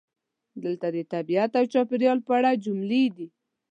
دلته د "طبیعت او چاپیریال" په اړه جملې دي: